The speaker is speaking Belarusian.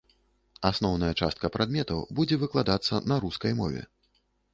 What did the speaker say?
Асноўная частка прадметаў будзе выкладацца на рускай мове.